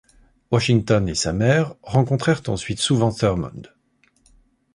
Washington et sa mère rencontrèrent ensuite souvent Thurmond.